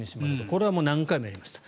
これは何回もやりました。